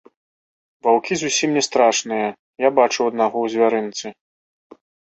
Ваўкі зусім не страшныя, я бачыў аднаго ў звярынцы.